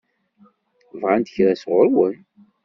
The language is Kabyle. Bɣant kra sɣur-wen?